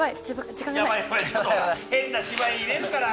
変な芝居入れるから！